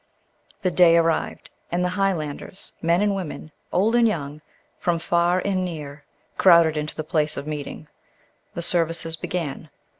The day arrived, and the Highlanders, men and women, old and young, from far and near, crowded into the place of meeting. The services began.